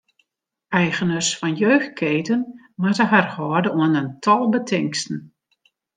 Eigeners fan jeugdketen moatte har hâlde oan in tal betingsten.